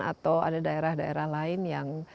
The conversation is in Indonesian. atau ada daerah daerah lain yang